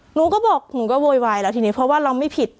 หนูก็บอกหนูก็โวยวายแล้วทีนี้เพราะว่าเราไม่ผิด